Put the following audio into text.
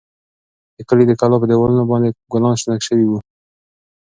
د کلي د کلا په دېوالونو باندې ګلان شنه شوي وو.